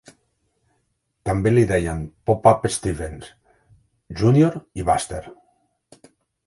També li deien "Pop-up Stephens", "Junior" i "Buster".